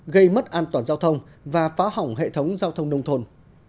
gây mất an toàn giao thông và phá hỏng hệ thống giao thông nông thôn